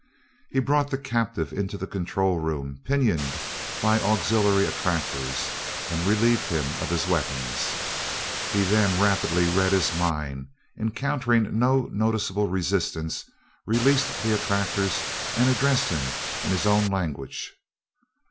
He brought the captive into the control room pinioned by auxiliary attractors, and relieved him of his weapons. He then rapidly read his mind, encountering no noticeable resistance, released the attractors, and addressed him in his own language.